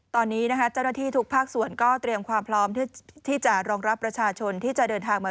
ตอนนี้นะคะเจ้าหน้าที่ทุกภาคส่วนก็เตรียมความพร้อมที่จะรองรับประชาชนที่จะเดินทางมา